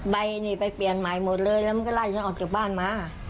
ใบนี่ไปเปลี่ยนใหม่หมดเลยแล้วมันก็ไล่ฉันออกจากบ้านมา